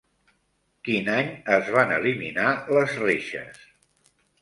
Quin any es van eliminar les reixes?